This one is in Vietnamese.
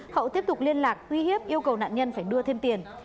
hậu tiếp tục liên lạc uy hiếp yêu cầu nạn nhân phải đưa thêm tiền